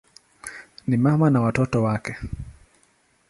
Ni mama na watoto wake.